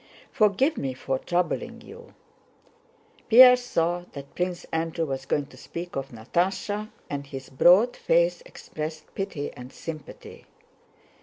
"Forgive me for troubling you...." Pierre saw that Prince Andrew was going to speak of Natásha, and his broad face expressed pity and sympathy.